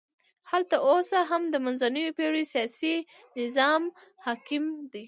هلته اوس هم د منځنیو پېړیو سیاسي نظام حاکم دی.